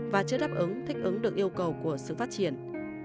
và chưa đáp ứng thích ứng được yêu cầu của sự phát triển